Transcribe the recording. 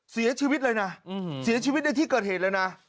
เสียชีวิตเลยนะเสียชีวิตในที่เกิดเหตุเลยนะ